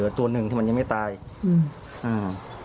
เสียตอนแรกนี่บอกเลยใช่ไหม